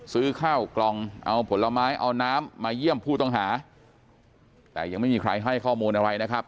ซื้อข้าวกล่องเอาผลไม้เอาน้ำมาเยี่ยมผู้ต้องหาแต่ยังไม่มีใครให้ข้อมูลอะไรนะครับ